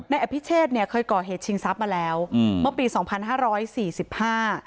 อภิเชษเนี่ยเคยก่อเหตุชิงทรัพย์มาแล้วอืมเมื่อปีสองพันห้าร้อยสี่สิบห้า